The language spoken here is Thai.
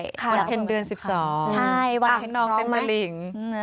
รอยกระทงเดือน๑๒ท่านเต็มมาริง